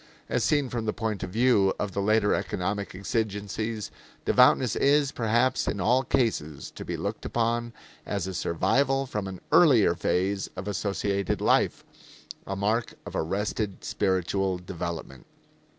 As seen from the point of view of the later economic exigencies, devoutness is, perhaps in all cases, to be looked upon as a survival from an earlier phase of associated life a mark of arrested spiritual development.